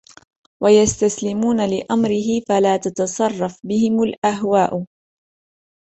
وَيَسْتَسْلِمُونَ لِأَمْرِهِ فَلَا تَتَصَرَّفُ بِهِمْ الْأَهْوَاءُ